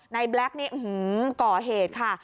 แบล็คนี่ก่อเหตุค่ะ